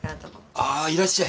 あぁいらっしゃい。